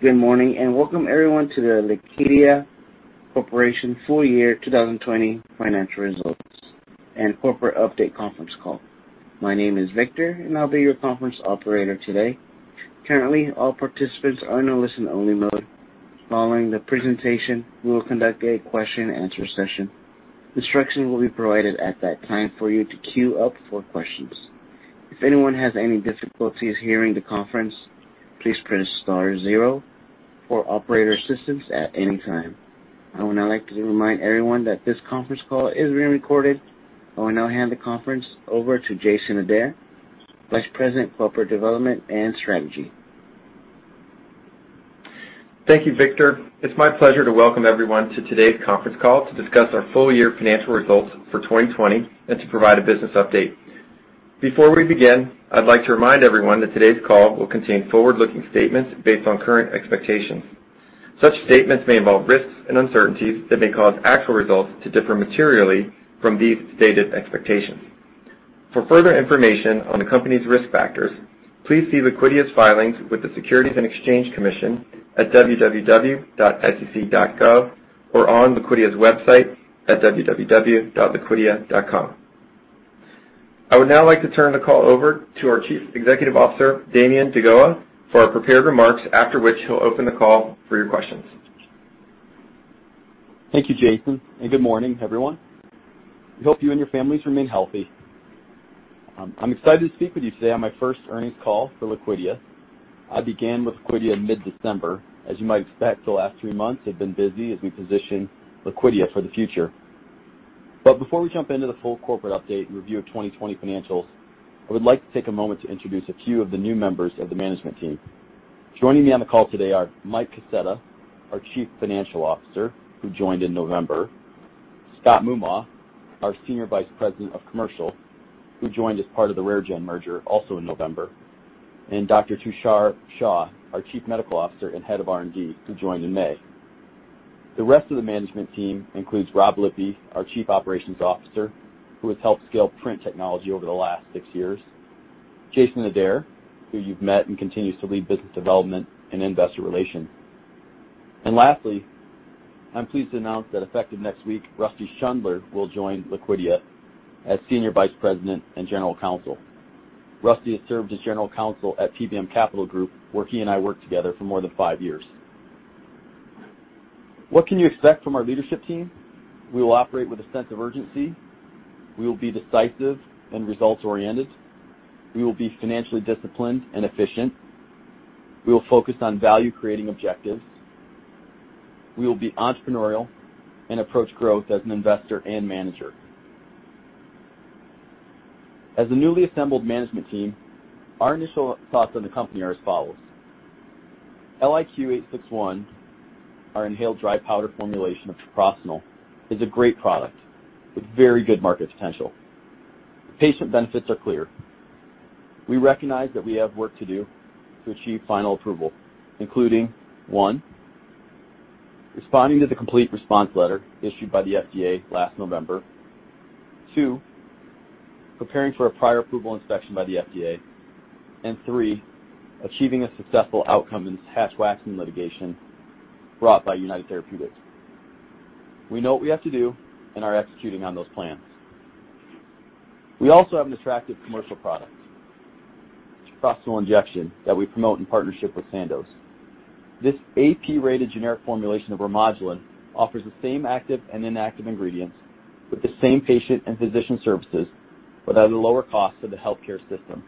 Good morning. Welcome, everyone, to the Liquidia Corporation Full Year 2020 Financial Results and Corporate Update Conference Call. My name is Victor, and I'll be your conference operator today. Currently, all participants are in a listen-only mode. Following the presentation, we will conduct a question-and-answer session. Instructions will be provided at that time for you to queue up for questions. If anyone has any difficulties hearing the conference, please press star zero for operator assistance at any time. I would now like to remind everyone that this conference call is being recorded. I will now hand the conference over to Jason Adair, Vice President, Corporate Development and Strategy. Thank you, Victor. It's my pleasure to welcome everyone to today's conference call to discuss our full-year financial results for 2020 and to provide a business update. Before we begin, I'd like to remind everyone that today's call will contain forward-looking statements based on current expectations. Such statements may involve risks and uncertainties that may cause actual results to differ materially from these stated expectations. For further information on the company's risk factors, please see Liquidia's filings with the Securities and Exchange Commission at www.sec.gov or on Liquidia's website at www.liquidia.com. I would now like to turn the call over to our Chief Executive Officer, Damian deGoa, for our prepared remarks after which he'll open the call for your questions. Thank you, Jason, and good morning, everyone. We hope you and your families remain healthy. I'm excited to speak with you today on my first earnings call for Liquidia. I began with Liquidia mid-December. As you might expect, the last three months have been busy as we position Liquidia for the future. Before we jump into the full corporate update and review of 2020 financials, I would like to take a moment to introduce a few of the new members of the management team. Joining me on the call today are Mike Kaseta, our Chief Financial Officer, who joined in November; Scott Moomaw, our Senior Vice President of Commercial, who joined as part of the RareGen merger, also in November; and Dr. Tushar Shah, our Chief Medical Officer and Head of R&D, who joined in May. The rest of the management team includes Rob Lippe, our Chief Operations Officer, who has helped scale PRINT technology over the last six years, Jason Adair, who you've met and continues to lead business development and investor relations. Lastly, I'm pleased to announce that effective next week, Rusty Schundler will join Liquidia as Senior Vice President and General Counsel. Rusty has served as General Counsel at PBM Capital Group, where he and I worked together for more than five years. What can you expect from our leadership team? We will operate with a sense of urgency. We will be decisive and results-oriented. We will be financially disciplined and efficient. We will focus on value-creating objectives. We will be entrepreneurial and approach growth as an investor and manager. As a newly assembled management team, our initial thoughts on the company are as follows. LIQ861, our inhaled dry powder formulation of treprostinil, is a great product with very good market potential. Patient benefits are clear. We recognize that we have work to do to achieve final approval, including, one, responding to the complete response letter issued by the FDA last November. Two, preparing for a pre-approval inspection by the FDA. three, achieving a successful outcome in Hatch-Waxman litigation brought by United Therapeutics. We know what we have to do and are executing on those plans. We also have an attractive commercial product, treprostinil injection, that we promote in partnership with Sandoz. This AP-rated generic formulation of Remodulin offers the same active and inactive ingredients with the same patient and physician services, but at a lower cost to the healthcare system.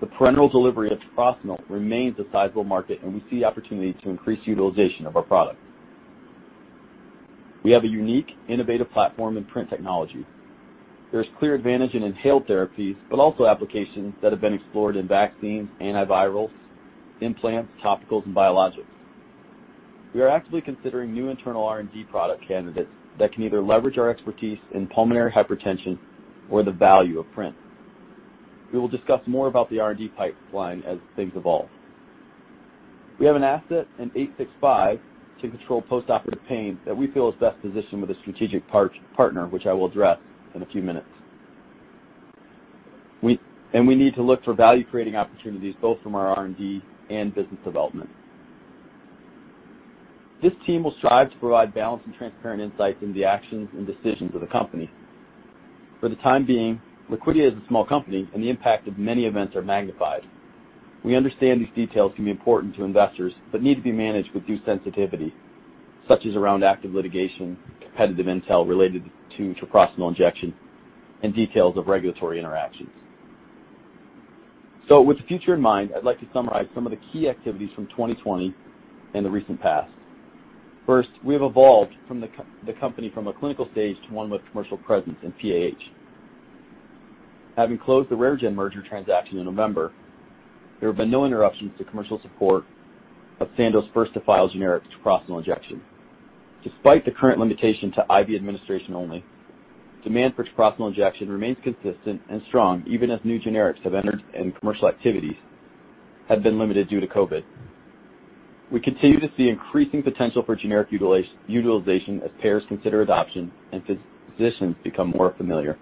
The parenteral delivery of treprostinil remains a sizable market, and we see opportunity to increase utilization of our product. We have a unique, innovative platform in PRINT technology. There is clear advantage in inhaled therapies, but also applications that have been explored in vaccines, antivirals, implants, topicals, and biologics. We are actively considering new internal R&D product candidates that can either leverage our expertise in pulmonary hypertension or the value of PRINT. We will discuss more about the R&D pipeline as things evolve. We have an asset in 865 to control post-operative pain that we feel is best positioned with a strategic partner, which I will address in a few minutes. We need to look for value-creating opportunities both from our R&D and business development. This team will strive to provide balanced and transparent insights into the actions and decisions of the company. For the time being, Liquidia is a small company, and the impact of many events are magnified. We understand these details can be important to investors but need to be managed with due sensitivity, such as around active litigation, competitive intel related to treprostinil injection, and details of regulatory interactions. With the future in mind, I'd like to summarize some of the key activities from 2020 and the recent past. First, we have evolved from the company from a clinical stage to one with commercial presence in PAH. Having closed the RareGen merger transaction in November, there have been no interruptions to commercial support of Sandoz's first-to-file generic treprostinil injection. Despite the current limitation to IV administration only, demand for treprostinil injection remains consistent and strong, even as new generics have entered and commercial activities have been limited due to COVID. We continue to see increasing potential for generic utilization as payers consider adoption and physicians become more familiar.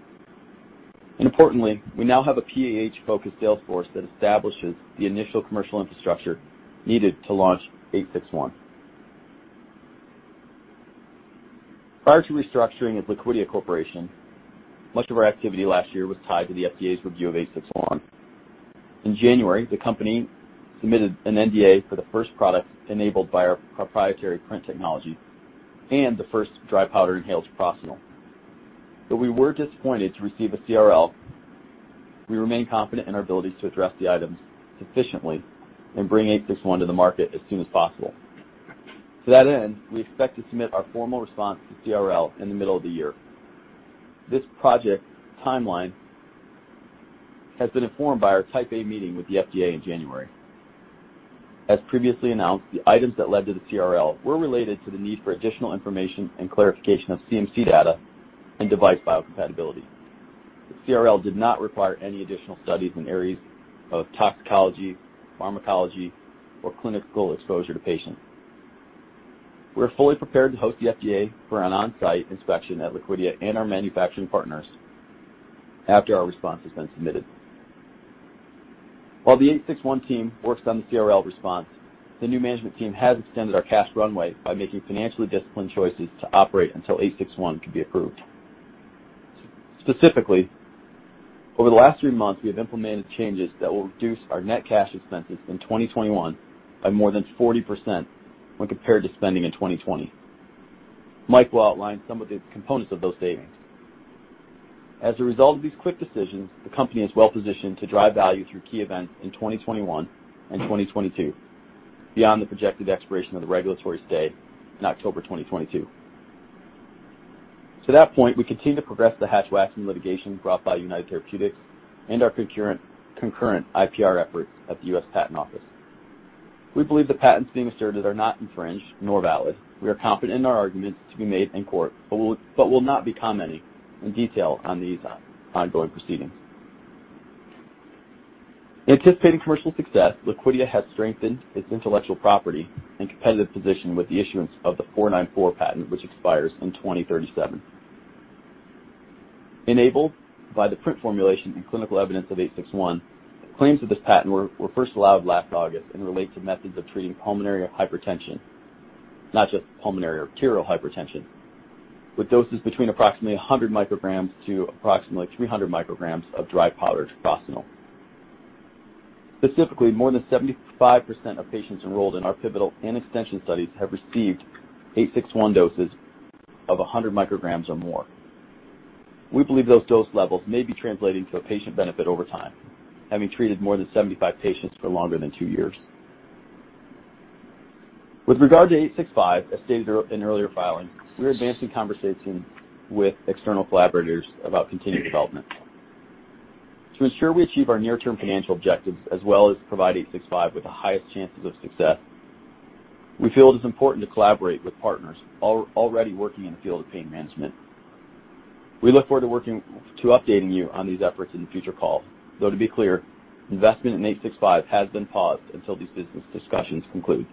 Importantly, we now have a PAH-focused sales force that establishes the initial commercial infrastructure needed to launch 861. Prior to restructuring of Liquidia Corporation, much of our activity last year was tied to the FDA's review of 861. In January, the company submitted an NDA for the first product enabled by our proprietary PRINT technology and the first dry powder inhaled treprostinil. Though we were disappointed to receive a CRL, we remain confident in our ability to address the items sufficiently and bring 861 to the market as soon as possible. To that end, we expect to submit our formal response to CRL in the middle of the year. This project timeline has been informed by our Type A meeting with the FDA in January. As previously announced, the items that led to the CRL were related to the need for additional information and clarification of CMC data and device biocompatibility. The CRL did not require any additional studies in areas of toxicology, pharmacology, or clinical exposure to patients. We're fully prepared to host the FDA for an on-site inspection at Liquidia and our manufacturing partners after our response has been submitted. While the 861 team works on the CRL response, the new management team has extended our cash runway by making financially disciplined choices to operate until 861 can be approved. Specifically, over the last three months, we have implemented changes that will reduce our net cash expenses in 2021 by more than 40% when compared to spending in 2020. Mike will outline some of the components of those savings. As a result of these quick decisions, the company is well-positioned to drive value through key events in 2021 and 2022, beyond the projected expiration of the regulatory stay in October 2022. To that point, we continue to progress the Hatch-Waxman litigation brought by United Therapeutics and our concurrent IPR efforts at the U.S. Patent Office. We believe the patents being asserted are not infringed nor valid. We are confident in our arguments to be made in court but will not be commenting in detail on these ongoing proceedings. Anticipating commercial success, Liquidia has strengthened its intellectual property and competitive position with the issuance of the 494 patent, which expires in 2037. Enabled by the PRINT formulation and clinical evidence of 861, the claims of this patent were first allowed last August and relate to methods of treating pulmonary hypertension, not just pulmonary arterial hypertension, with doses between approximately 100 micrograms to approximately 300 micrograms of dry powder treprostinil. Specifically, more than 75% of patients enrolled in our pivotal and extension studies have received 861 doses of 100 micrograms or more. We believe those dose levels may be translating to a patient benefit over time, having treated more than 75 patients for longer than two years. With regard to 865, as stated in earlier filings, we're advancing conversations with external collaborators about continued development. To ensure we achieve our near-term financial objectives as well as provide 865 with the highest chances of success, we feel it is important to collaborate with partners already working in the field of pain management. We look forward to updating you on these efforts in future calls, though to be clear, investment in 865 has been paused until these business discussions conclude.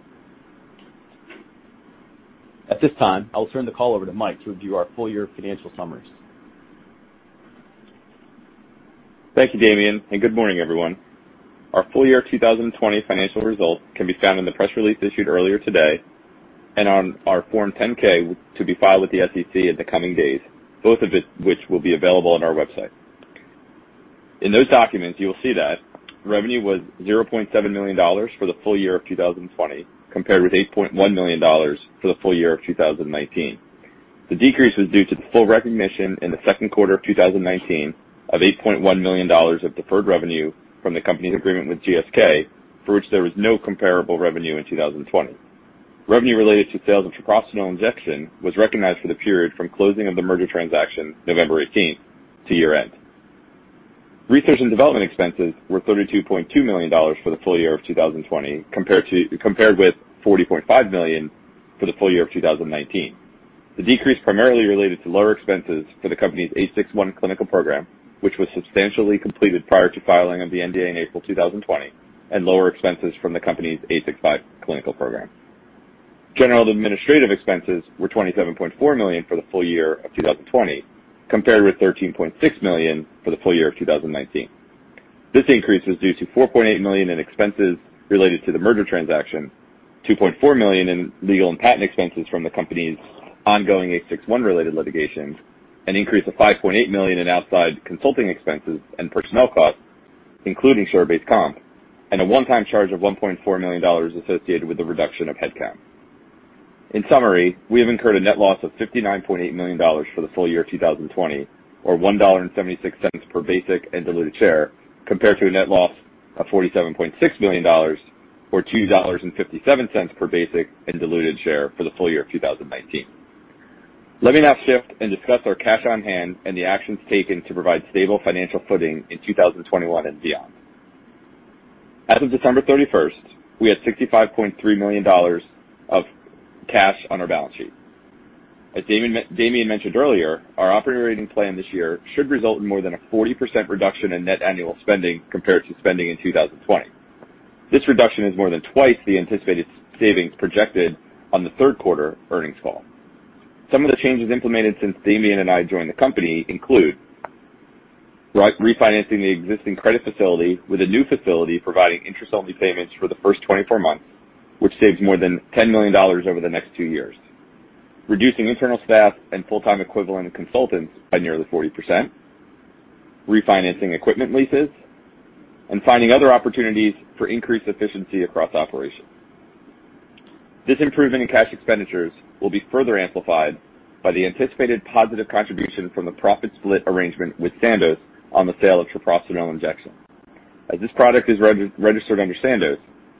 At this time, I will turn the call over to Mike to review our full-year financial summaries. Thank you, Damian, and good morning, everyone. Our full-year 2020 financial results can be found in the press release issued earlier today and on our Form 10-K to be filed with the SEC in the coming days, both of which will be available on our website. In those documents, you will see that revenue was $0.7 million for the full year of 2020, compared with $8.1 million for the full year of 2019. The decrease was due to the full recognition in the second quarter of 2019 of $8.1 million of deferred revenue from the company's agreement with GSK, for which there was no comparable revenue in 2020. Revenue related to sales of treprostinil injection was recognized for the period from closing of the merger transaction November 18th to year-end. Research and development expenses were $32.2 million for the full year of 2020 compared with $40.5 million for the full year of 2019. The decrease primarily related to lower expenses for the company's 861 clinical program, which was substantially completed prior to filing of the NDA in April 2020 and lower expenses from the company's 865 clinical program. General administrative expenses were $27.4 million for the full year of 2020, compared with $13.6 million for the full year of 2019. This increase was due to $4.8 million in expenses related to the merger transaction, $2.4 million in legal and patent expenses from the company's ongoing 861-related litigation, an increase of $5.8 million in outside consulting expenses and personnel costs, including share-based comp, and a one-time charge of $1.4 million associated with the reduction of headcount. In summary, we have incurred a net loss of $59.8 million for the full year of 2020, or $1.76 per basic and diluted share, compared to a net loss of $47.6 million, or $2.57 per basic and diluted share for the full year of 2019. Let me now shift and discuss our cash on hand and the actions taken to provide stable financial footing in 2021 and beyond. As of December 31st, we had $65.3 million of cash on our balance sheet. As Damian mentioned earlier, our operating plan this year should result in more than a 40% reduction in net annual spending compared to spending in 2020. This reduction is more than twice the anticipated savings projected on the third quarter earnings call. Some of the changes implemented since Damian and I joined the company include refinancing the existing credit facility with a new facility providing interest-only payments for the first 24 months, which saves more than $10 million over the next two years. Reducing internal staff and full-time equivalent consultants by nearly 40%, refinancing equipment leases, and finding other opportunities for increased efficiency across operations. This improvement in cash expenditures will be further amplified by the anticipated positive contribution from the profit split arrangement with Sandoz on the sale of treprostinil injection. As this product is registered under Sandoz,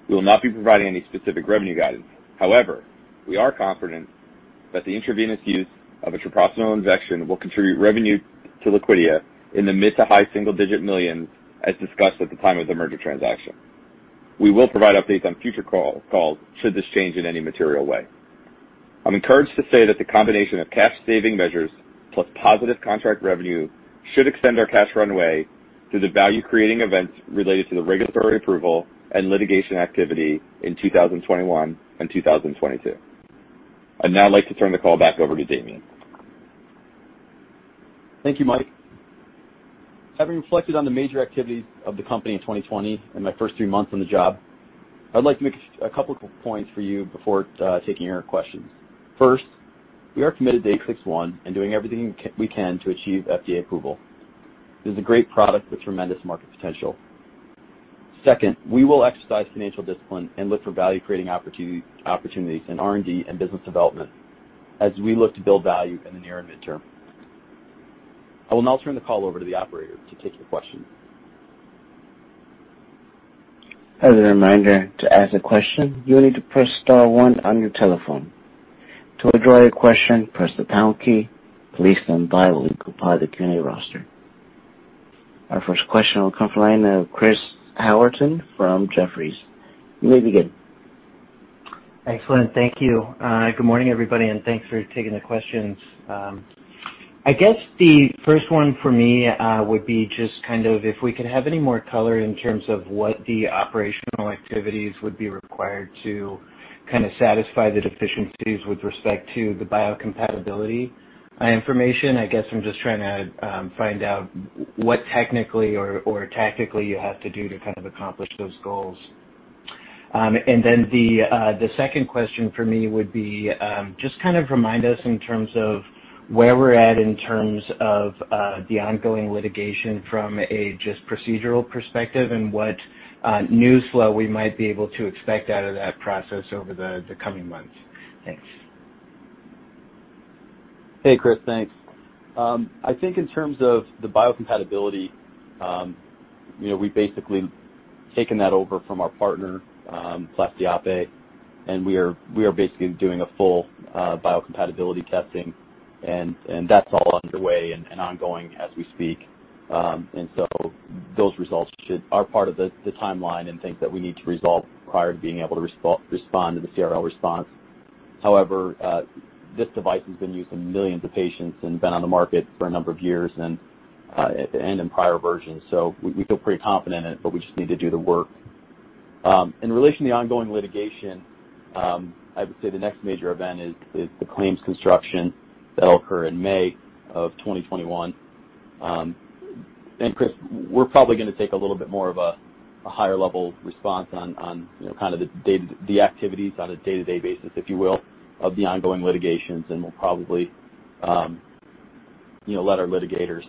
we will not be providing any specific revenue guidance. We are confident that the intravenous use of a treprostinil injection will contribute revenue to Liquidia in the mid to high single-digit millions, as discussed at the time of the merger transaction. We will provide updates on future calls should this change in any material way. I'm encouraged to say that the combination of cash-saving measures plus positive contract revenue should extend our cash runway through the value-creating events related to the regulatory approval and litigation activity in 2021 and 2022. I'd now like to turn the call back over to Damian. Thank you, Mike. Having reflected on the major activities of the company in 2020 and my first three months on the job, I'd like to make a couple points for you before taking your questions. First, we are committed to 861 and doing everything we can to achieve FDA approval. This is a great product with tremendous market potential. Second, we will exercise financial discipline and look for value-creating opportunities in R&D and business development as we look to build value in the near and midterm. I will now turn the call over to the operator to take the questions. As a reminder, to ask a question, you will need to press star one on your telephone. To withdraw your question, press the pound key. Our first question will come from the line of Chris Howerton from Jefferies. You may begin. Excellent. Thank you. Good morning, everybody, and thanks for taking the questions. I guess the first one for me would be just if we could have any more color in terms of what the operational activities would be required to satisfy the deficiencies with respect to the biocompatibility information. I guess I'm just trying to find out what technically or tactically you have to do to accomplish those goals. The second question for me would be, just remind us in terms of where we're at in terms of the ongoing litigation from a just procedural perspective and what news flow we might be able to expect out of that process over the coming months. Thanks. Hey, Chris. Thanks. I think in terms of the biocompatibility, we basically have taken that over from our partner, Plastiape, and we are basically doing a full biocompatibility testing, and that's all underway and ongoing as we speak. Those results are part of the timeline and things that we need to resolve prior to being able to respond to the CRL response. However, this device has been used in millions of patients and been on the market for a number of years and in prior versions. We feel pretty confident in it, but we just need to do the work. In relation to the ongoing litigation, I would say the next major event is the claim construction that'll occur in May of 2021. Chris, we're probably going to take a little bit more of a higher-level response on the activities on a day-to-day basis, if you will, of the ongoing litigations, and we'll probably let our litigators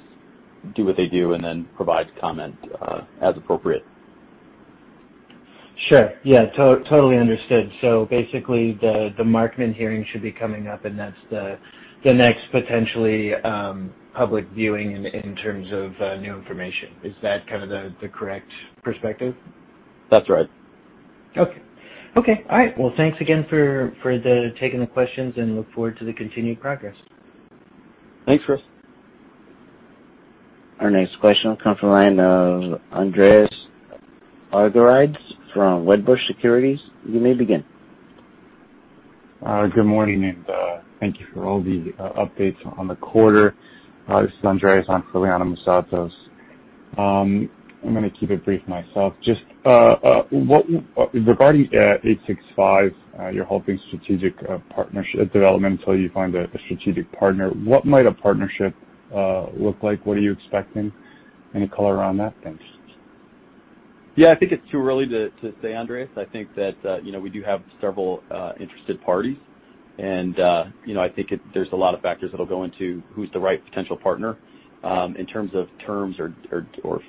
do what they do and then provide comment as appropriate. Sure. Yeah, totally understood. Basically, the Markman hearing should be coming up, and that's the next potentially public viewing in terms of new information. Is that the correct perspective? That's right. Okay. All right. Well, thanks again for taking the questions and look forward to the continued progress. Thanks, Chris. Our next question will come from the line of Andreas Argyrides from Wedbush Securities. You may begin. Good morning. Thank you for all the updates on the quarter. This is Andreas on for Liana Moussatos. I'm going to keep it brief myself. Just regarding 865, you're holding strategic development until you find a strategic partner. What might a partnership look like? What are you expecting? Any color around that? Thanks. Yeah, I think it's too early to say, Andreas. I think that we do have several interested parties, I think there's a lot of factors that'll go into who's the right potential partner. In terms of terms or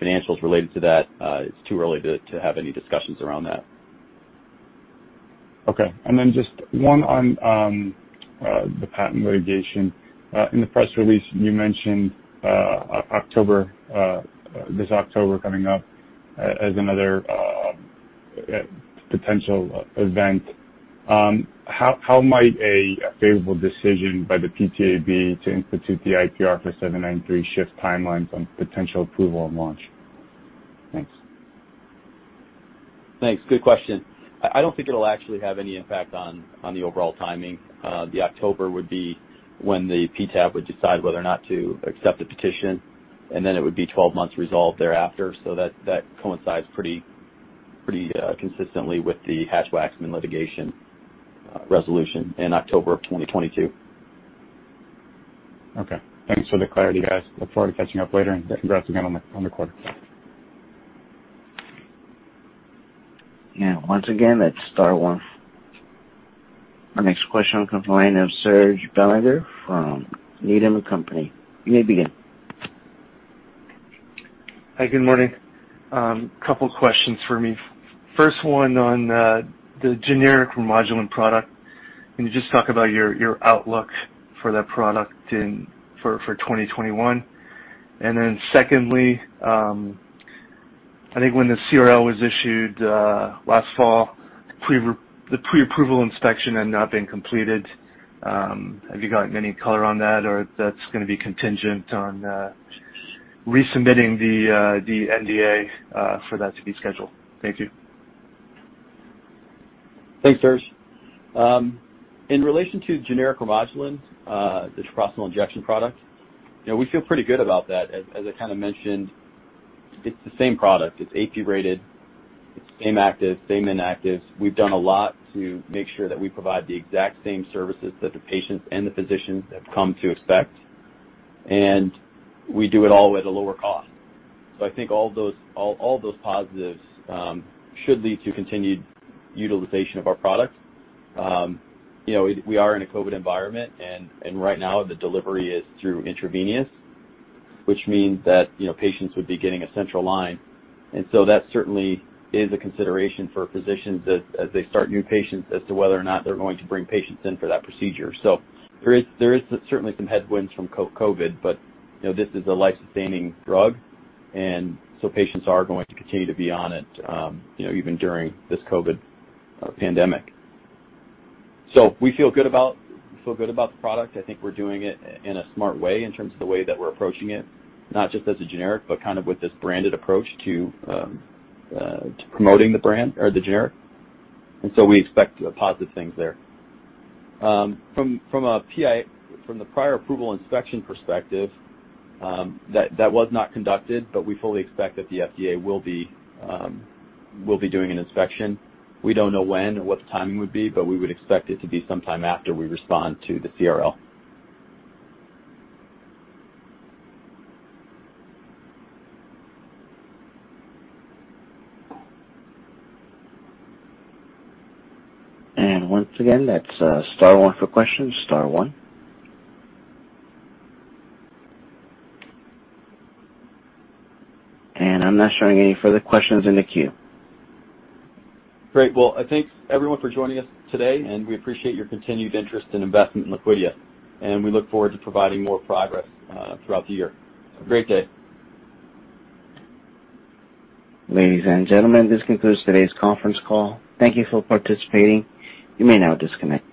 financials related to that, it's too early to have any discussions around that. Okay. Just one on the patent litigation. In the press release, you mentioned this October coming up as another potential event. How might a favorable decision by the PTAB to institute the IPR for 793 shift timelines on potential approval and launch? Thanks. Thanks. Good question. I don't think it'll actually have any impact on the overall timing. The October would be when the PTAB would decide whether or not to accept a petition, and then it would be 12 months resolve thereafter. That coincides pretty consistently with the Hatch-Waxman litigation resolution in October of 2022. Okay. Thanks for the clarity, guys. Look forward to catching up later, and congrats again on the quarter. Once again, that's star one. Our next question comes from the line of Serge Belanger from Needham & Company. You may begin. Hi, good morning. Couple questions for me. First one on the generic Remodulin product. Can you just talk about your outlook for that product for 2021? Secondly, I think when the CRL was issued last fall, the pre-approval inspection had not been completed. Have you got any color on that, or that's going to be contingent on resubmitting the NDA for that to be scheduled? Thank you. Thanks, Serge. In relation to generic Remodulin, the treprostinil injection product, we feel pretty good about that. As I kind of mentioned, it's the same product. It's AP-rated, it's same active, same inactives. We've done a lot to make sure that we provide the exact same services that the patients and the physicians have come to expect, and we do it all at a lower cost. I think all of those positives should lead to continued utilization of our product. We are in a COVID environment, and right now the delivery is through intravenous, which means that patients would be getting a central line. That certainly is a consideration for physicians as they start new patients as to whether or not they're going to bring patients in for that procedure. There is certainly some headwinds from COVID, but this is a life-sustaining drug, and so patients are going to continue to be on it even during this COVID pandemic. We feel good about the product. I think we're doing it in a smart way in terms of the way that we're approaching it, not just as a generic, but kind of with this branded approach to promoting the brand or the generic. We expect positive things there. From the prior approval inspection perspective, that was not conducted, but we fully expect that the FDA will be doing an inspection. We don't know when or what the timing would be, but we would expect it to be sometime after we respond to the CRL. Once again, that's star one for questions. Star one. I'm not showing any further questions in the queue. Great. Well, I thank everyone for joining us today, and we appreciate your continued interest and investment in Liquidia, and we look forward to providing more progress throughout the year. Have a great day. Ladies and gentlemen, this concludes today's conference call. Thank you for participating. You may now disconnect.